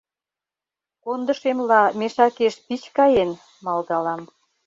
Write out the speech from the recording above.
— Кондышемла мешакеш пич каен, — малдалам.